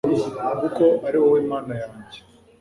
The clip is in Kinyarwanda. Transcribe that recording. kuko ari wowe mana yanjye